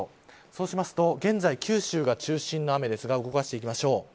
そうしますと現在、九州が中心の雨ですが動かしていきましょう。